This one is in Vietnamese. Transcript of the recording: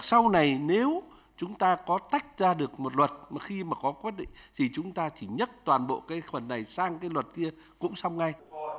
sau này nếu chúng ta có tách ra được một luật mà khi mà có quyết định thì chúng ta chỉ nhấc toàn bộ cái phần này sang cái luật kia cũng xong ngay